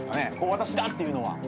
私だ！っていうのは。